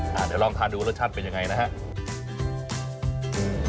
เดี๋ยวลองทานดูรสชาติเป็นยังไงนะครับ